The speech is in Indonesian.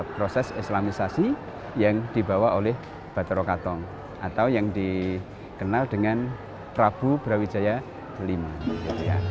proses islamisasi yang dibawa oleh batoro katong atau yang dikenal dengan prabu brawijaya v